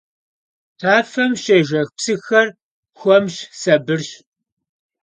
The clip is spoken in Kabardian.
Tafem şêjjex psıxer xuemş, sabırş.